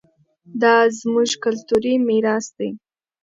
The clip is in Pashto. دا زموږ کلتوري ميراث دی.